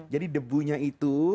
jadi debunya itu